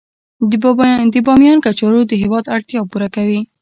د بامیان کچالو د هیواد اړتیا پوره کوي